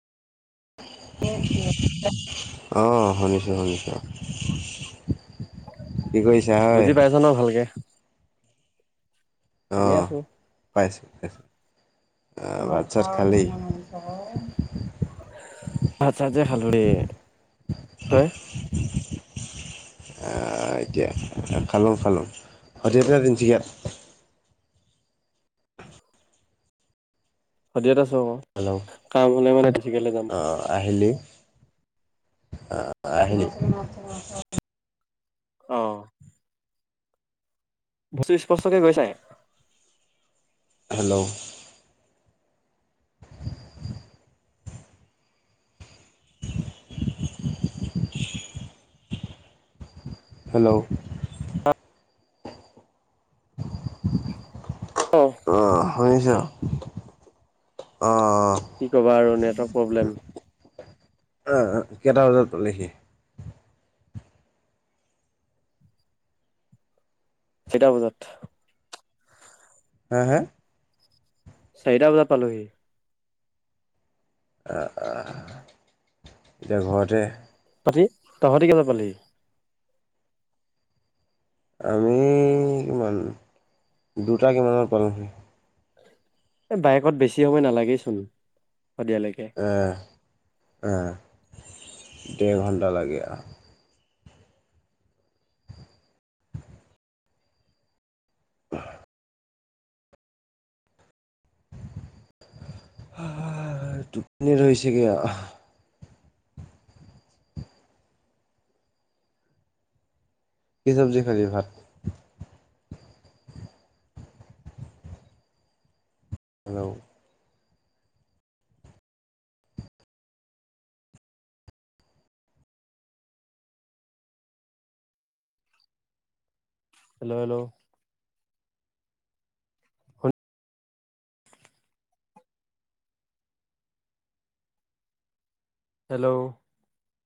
অঁ শুনিছোঁ শুনিছোঁ। [unintelligible] কি কৰিছা হয় বুজি পাইছ নহ ভালকে। এনেই অঁ আছো পাইছোঁ পাইছোঁ। ভাত চাত খালি ভাত চাত যে খালোঁ দেই, তই এতিয়া খালোঁ খালোঁ গুৱাহাটী আছ নে তিনিচুকীয়াত- সদিয়াত আছো আক হেল্ল' কাম হলে মানে তিনিচুকীয়ালৈ যাম। আহিলি অ আহিলি। অহ। বস্তু স্পষ্টকে গৈছাই। হেল্ল'। হেল্ল'। অ অহ শুনিছ অহ। কি ক'বা আৰু নেটৱৰ্ক প্ৰব্লেম। আহ কেইটা বজাত পালেহি। চাৰিটা বজাত। হা হা। চাৰিটা বজাত পালোঁহি। অহ অহ এতিয়া ঘৰতে। তহঁতি তহঁতি কেইটা বজাত পালিহি। আমি কিমান দুটা কিমানত পালোঁহি। এ বাইকত বেছি সময় নালাগেইচোন। শদিয়ালৈকে ডেৰ ঘণ্টা লাগিব। টোপনি ধৰিছেগে আও। কি চব্জি খালি ভাত। হেল্ল'। Hello hello. হয়। হেল্ল'।